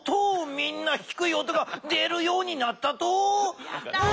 みんなひくい音が出るようになった「とう」。